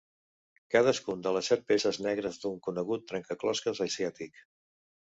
Cadascun de les set peces negres d'un conegut trencaclosques asiàtic.